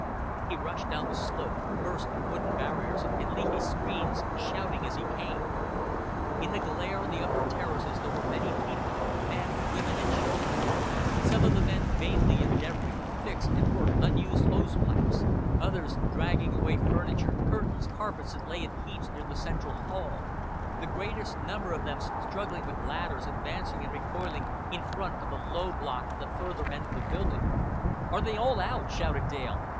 He rushed down the slope, burst through wooden barriers and leafy screens, shouting as he came. In the glare on the upper terraces there were many people men, women, children; some of the men vainly endeavoring to fix and work unused hose pipes; others dragging away furniture, curtains, carpets that lay in heaps near the central hall; the greatest number of them struggling with ladders, advancing and recoiling in front of the low block at the further end of the building. "Are they all out?" shouted Dale.